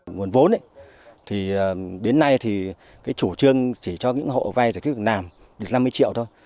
nguồn vốn thì đến nay thì cái chủ trương chỉ cho những hộ vay giải quyết việc làm năm mươi triệu thôi